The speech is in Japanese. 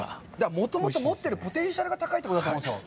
もともと持ってるポテンシャルが高いということだと思うんですよ。